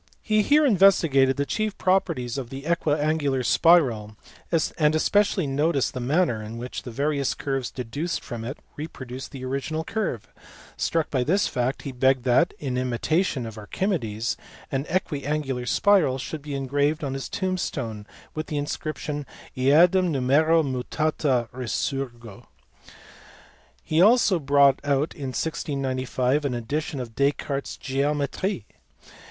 He here investigated the chief properties of the equiangular spiral, and especially noticed the manner in which various curves deduced from it reproduced the original curve : struck by this fact he begged that, in imitation of Archimedes, an equiangular spiral should be engraved on his tombstone with the inscription eadem numero mutata resurgo. He also brought out in 1695 an edition of Descartes s Geometric.